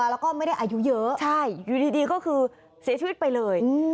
แล้วก็ไม่ได้อายุเยอะอยู่ดีก็คือเสียชีวิตไปเลย